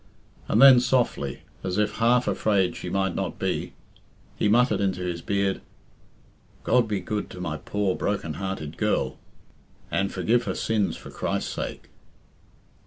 And then softly, as if half afraid she might not be, he muttered into his beard, "God be good to my poor broken hearted girl, and forgive her sins for Christ's sake."